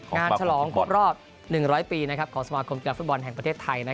งานฉลองกลับรอบ๑๐๐ปีของสมาคมเกียรติฟุตบอลแห่งประเทศไทย